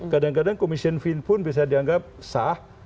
kadang kadang commission fin pun bisa dianggap sah